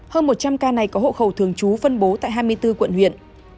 hơn một trăm linh ca này có hộ khẩu thường trú phân bố tại hai mươi bốn quận huyện